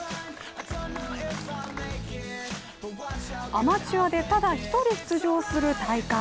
アマチュアでただ一人、出場する大会。